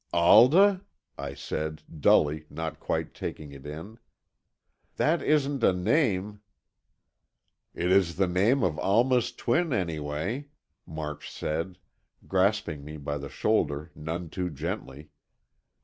"Alda?" I said, dully, not quite taking it in. "That isn't a name——" "It is the name of Alma's twin, anyway," March said, grasping me by the shoulder, none too gently.